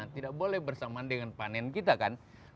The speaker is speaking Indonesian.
tidak boleh bersamaan dengan panen kita kan